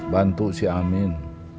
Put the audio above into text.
bantu si amin